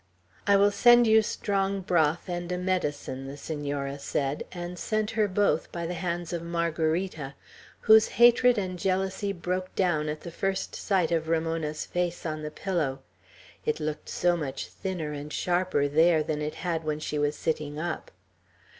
"I will send you strong broth and a medicine," the Senora said; and sent her both by the hands of Margarita, whose hatred and jealousy broke down at the first sight of Ramona's face on the pillow; it looked so much thinner and sharper there than it had when she was sitting up.